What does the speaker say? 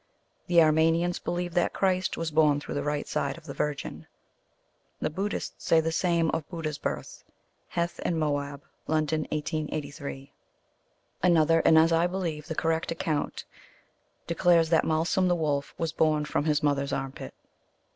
The Armenians believe that Christ was born through the right side of the Virgin. The Buddhists say the same of Buddha s birth. (Heth and Moab, London, 1883.) Another and as I believe the correct account de clares that Malsum the Wolf was born from his mother s armpit.